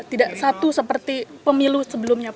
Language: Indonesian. tidak satu seperti pemilu sebelumnya